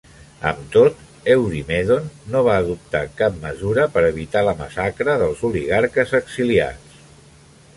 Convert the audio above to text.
Amb tot, Eurymedon no va adoptar cap mesura per evitar la massacre dels oligarques exiliats.